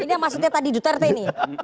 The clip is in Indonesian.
ini yang maksudnya tadi duterte ini